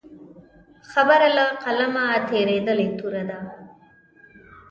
خبره له قلمه تېرېدلې توره ده.